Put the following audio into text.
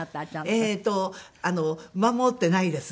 えっとあの守ってないです。